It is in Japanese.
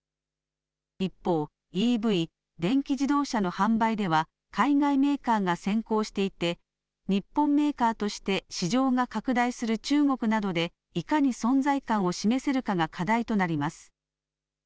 一方、ＥＶ・電気自動車の販売では海外メーカーが先行していて日本メーカーとして市場が拡大する中国などでいかに存在感を示せるかが課題となります。